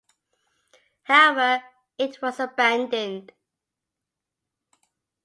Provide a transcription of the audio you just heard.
However, it was abandoned.